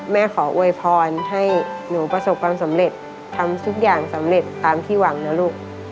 ขออวยพรให้หนูประสบความสำเร็จทำทุกอย่างสำเร็จตามที่หวังนะลูก